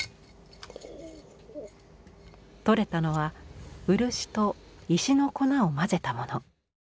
取れたのは漆と石の粉を混ぜたもの。